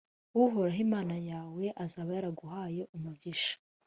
uhoraho imana yawe azaba yaraguhaye umugisha;